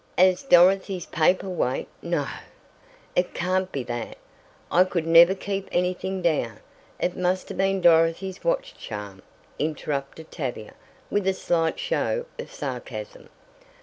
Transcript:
"As Dorothy's paper weight no, it can't be that I could never keep anything down it must have been Dorothy's watch charm," interrupted Tavia, with a slight show of sarcasm.